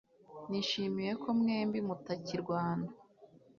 Nishimiye ko mwembi mutakirwana